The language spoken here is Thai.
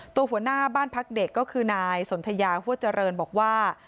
หัวหน้าบ้านพักเด็กก็คือนายสนทยาหัวเจริญบอกว่า